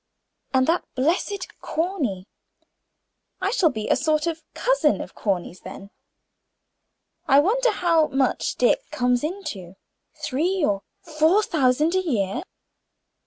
And that blessed Corny? I shall be a sort of cousin of Corny's then. I wonder how much Dick comes into three or four thousand a year?